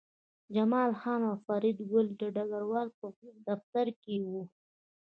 جمال خان او فریدګل د ډګروال په دفتر کې وو